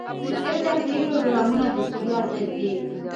د تفریح پروګرامونه د ستړیا ضد دي.